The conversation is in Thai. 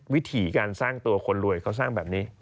วิถีการสร้างตัวคนรวยเขาสร้างแบบนี้